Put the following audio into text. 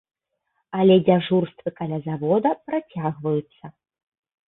Але дзяжурствы каля завода працягваюцца.